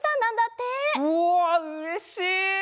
うわうれしい！